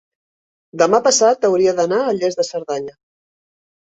demà passat hauria d'anar a Lles de Cerdanya.